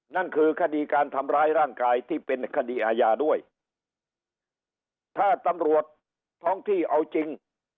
นั่นคือคดีการทำร้ายร่างกายที่เป็นคดีอาญาด้วยถ้าตำรวจท้องที่เอาจริง